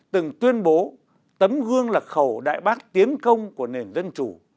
từng tuyên bố tấm gương là khẩu đại bác tiến công của nền dân chủ